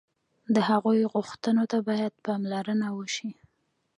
د هغوی غوښتنو ته باید پاملرنه وشي.